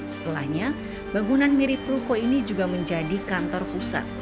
setelahnya bangunan mirip ruko ini juga menjadi kantor pusat